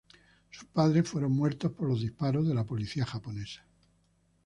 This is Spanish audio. Sus padres fueron muertos por los disparos de la policía japonesa.